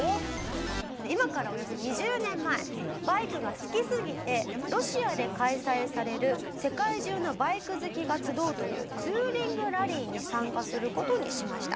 今からおよそ２０年前バイクが好きすぎてロシアで開催される世界中のバイク好きが集うというツーリングラリーに参加する事にしました。